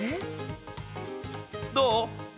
どう？